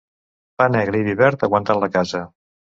Pa negre i vi verd aguanten la casa.